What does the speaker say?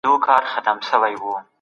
کمپيوټر ساز ږغوي.